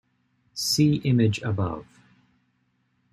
See image above.